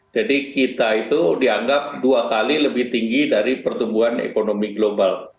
jadi kita itu dianggap dua kali lebih tinggi dari pertumbuhan ekonomi global